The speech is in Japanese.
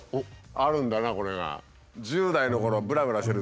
あるんだなこれが。